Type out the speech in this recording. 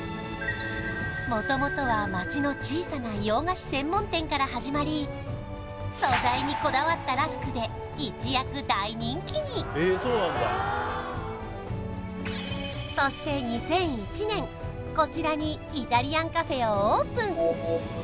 もともとは町の小さな洋菓子専門店から始まり素材にこだわったそして２００１年こちらにイタリアンカフェをオープン